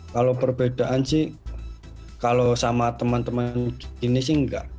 kalau perbedaan sih kalau sama teman teman ini sih enggak